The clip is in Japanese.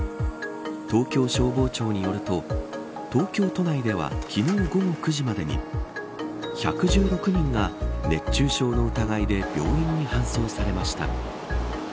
東京消防庁によると東京都内では昨日午後９時までに１１６人が熱中症の疑いで病院に搬送されました。